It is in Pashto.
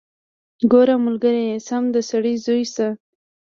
ګوره ملګريه سم د سړي زوى شه.